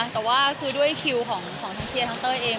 แต่ว่าคือด้วยคิวของทั้งเชียร์ทั้งเต้ยเอง